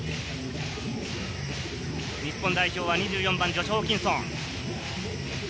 日本代表は２４番ジョシュ・ホーキンソン。